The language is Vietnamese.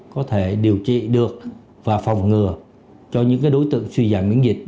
có thể điều trị được và phòng ngừa cho những đối tượng suy giảm miễn dịch